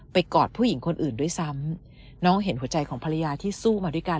กอดผู้หญิงคนอื่นด้วยซ้ำน้องเห็นหัวใจของภรรยาที่สู้มาด้วยกัน